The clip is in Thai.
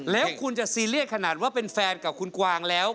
แล้วคุณจะซีเรียสขนาดว่าเป็นแฟนกับคุณกวางแล้ว